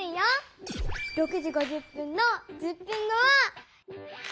６時５０分の１０分後は。